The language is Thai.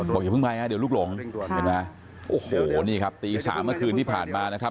บอกอย่าเพิ่งไปนะเดี๋ยวลูกหลงโอ้โหนี่ครับตี๓เมื่อคืนที่ผ่านมานะครับ